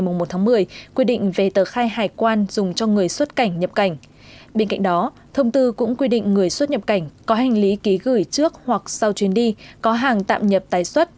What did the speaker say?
xuất nhập cảnh có hành lý ký gửi trước hoặc sau chuyến đi có hàng tạm nhập tái xuất